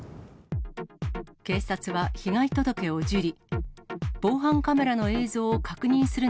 警察は被害届を受理。